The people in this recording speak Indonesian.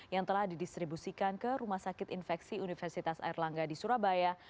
yang telah didistribusikan ke rumah sakit infeksi universitas airlangga di surabaya